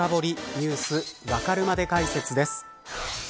Ｎｅｗｓわかるまで解説です。